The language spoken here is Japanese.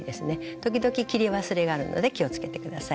時々切り忘れがあるので気をつけて下さい。